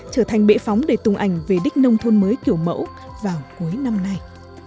trở thành bể phóng để tùng ảnh về đích nông thôn mới kiểu mẫu vào cuối năm nay